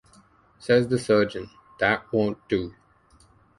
Says the surgeon; "that won't do!"